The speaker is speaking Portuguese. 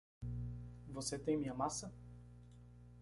Você tem minha massa?